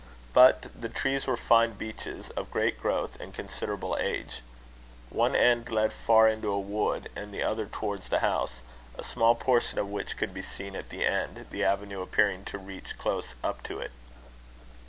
But the trees were fine beeches, of great growth and considerable age. One end led far into a wood, and the other towards the house, a small portion of which could be seen at the end, the avenue appearing to reach close up to it.